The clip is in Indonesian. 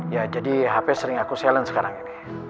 ya jadi hp sering aku silence sekarang ini